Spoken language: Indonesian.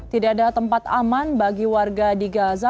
tidak ada tempat aman bagi warga di gaza